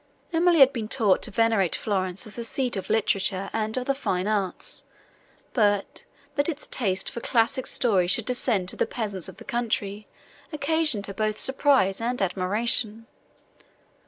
Emily had been early taught to venerate Florence as the seat of literature and of the fine arts; but, that its taste for classic story should descend to the peasants of the country, occasioned her both surprise and admiration.